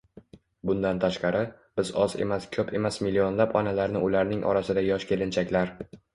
Bundan tashqari... biz oz emas-ko‘p emas millionlab onalarni ularning orasida yosh kelinchaklar